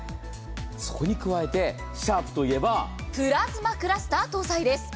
そこに加えて、シャープといえばプラズマクラスター搭載です。